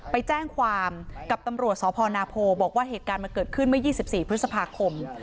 ไปแจ้งความกับตำรวจสพนาโพบอกว่าเหตุการณ์มันเกิดขึ้นเมื่อ๒๔พฤษภาคม